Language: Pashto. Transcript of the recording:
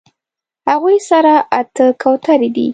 هغوی سره اتۀ کوترې دي